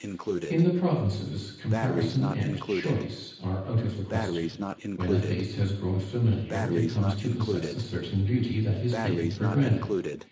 In the provinces comparison and choice are out of the question; when a face has grown familiar it comes to possess a certain beauty that is taken for granted.